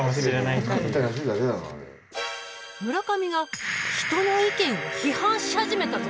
村上が人の意見を批判し始めたぞ。